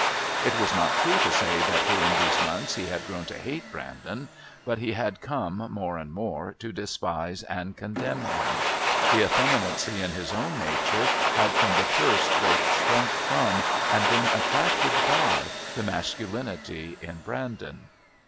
It was not true to say that during these months he had grown to hate Brandon, but he had come, more and more, to despise and condemn him. The effeminacy in his own nature had from the first both shrunk from and been attracted by the masculinity in Brandon.